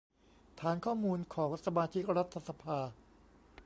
ฐานข้อมูลของสมาชิกรัฐสภา